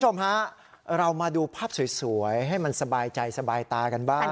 คุณผู้ชมฮะเรามาดูภาพสวยให้มันสบายใจสบายตากันบ้าง